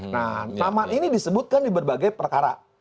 nah nama ini disebutkan di berbagai perkara